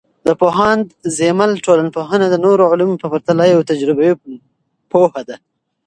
د پوهاند زیمل ټولنپوهنه د نورو علومو په پرتله یوه تجربوي پوهه ده.